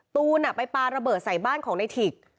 ตูนไปปลาระเบิดใส่บ้านของในถิก